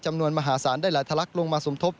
มาหาสารได้หลายทลักษณ์ลงมาสมทบ